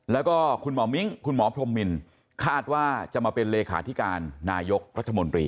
แล้วก็คุณหมอมิ้งคุณหมอพรมมินคาดว่าจะมาเป็นเลขาธิการนายกรัฐมนตรี